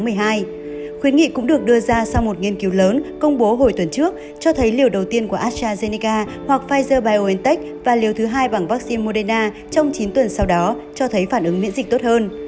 hội nghị cũng được đưa ra sau một nghiên cứu lớn công bố hồi tuần trước cho thấy liều đầu tiên của astrazeneca hoặc pfizer biontech và liều thứ hai bằng vaccine moderna trong chín tuần sau đó cho thấy phản ứng miễn dịch tốt hơn